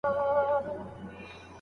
نو د هغوی لاسونه روږدي کېږي.